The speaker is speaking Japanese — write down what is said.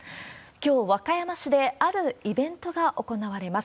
きょう和歌山市であるイベントが行われます。